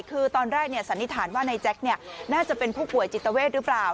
คือตอนแรกสันนิษฐานว่านายแจ็คน่าจะเป็นผู้ป่วยจิตเวทหรือเปล่า